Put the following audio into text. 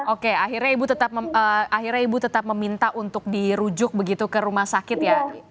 oke akhirnya ibu tetap akhirnya ibu tetap meminta untuk dirujuk begitu ke rumah sakit ya